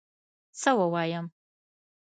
څه ووایم؟!